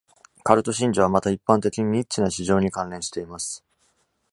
カルト信者はまた、一般的にニッチな市場に関連しています。